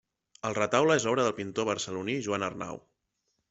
El retaule és obra del pintor barceloní Joan Arnau.